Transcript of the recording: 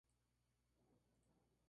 Su nombre original era Palacio Nacional.